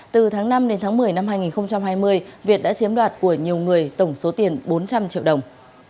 từ tháng năm đến tháng một mươi năm hai nghìn hai mươi việt đã chiếm đoạt của nhiều người tổng số tiền bốn trăm linh triệu đồng